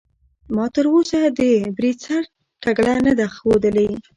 ما تر اوسه د بریځر ټکله نده خودلي.